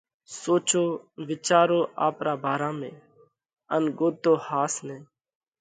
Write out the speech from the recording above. سوچو وِيچارو آپرا ڀارا ۾، ان ڳوتو ۿاس نئہ!